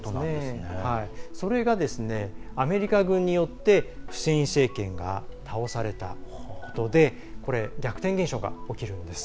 それがアメリカ軍によってフセイン政権が倒されたことで逆転現象が起きるんです。